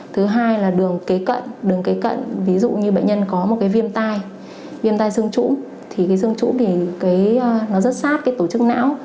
thứ hai là đường kế cận ví dụ như bệnh nhân có một viêm tai viêm tai xương trũ thì cái xương trũ thì nó rất sát tổ chức não